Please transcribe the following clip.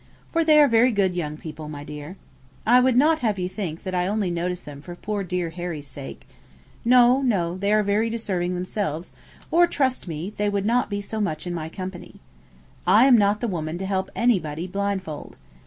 For they are very good young people, my dear. I would not have you think that I only notice them for poor dear Sir Harry's sake. No, no; they are very deserving themselves, or, trust me, they would not be so much in my company. I am not the woman to help anybody blindfold.